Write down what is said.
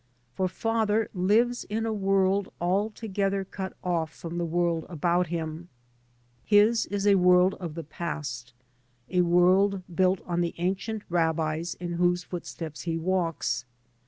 For father lives in a world altogether cut ofi from the world about him; his is a world of the past, a world built by the ancient rabbis in whose footsteps he walks.